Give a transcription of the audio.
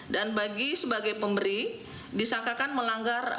dan bagi sebagai pemberi disangkakan melanggar